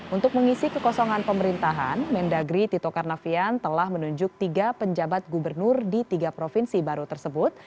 untuk mengisi kekosongan pemerintahan mendagri tito karnavian telah menunjuk tiga penjabat gubernur di tiga provinsi baru tersebut